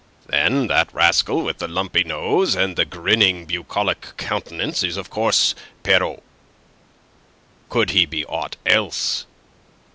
"Then that rascal with the lumpy nose and the grinning bucolic countenance is, of course, Pierrot. Could he be aught else?"